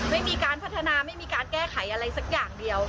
ไม่มีการพัฒนาไม่มีการแก้ไขอะไรสักอย่างเดียว